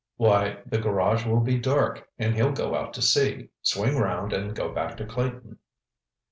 "Why, the garage will be dark, and he'll go out to sea, swing round and go back to Clayton."